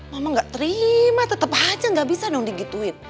mama nggak terima tetap aja nggak bisa dong digituin